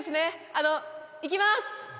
あの行きます！